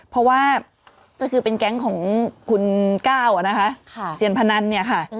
เพราะว่าก็คือเป็นแก๊งของคุณก้าวนะคะเซียนพนันเนี่ยค่ะ